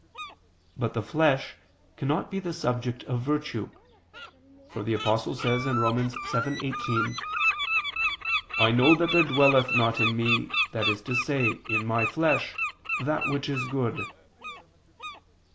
But the flesh cannot be the subject of virtue: for the Apostle says (Rom. 7:18): "I know that there dwelleth not in me, that is to say, in my flesh, that which is good."